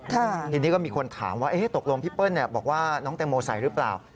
ทีนี้ก็มีคนถามว่าตกลงพี่เปิ้ลบอกว่าน้องแตงโมใส่หรือเปล่า